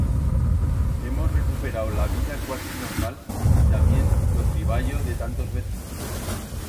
Hemos recuperau la vida cuasi normal y tamién lo triballo de tantos vecinos.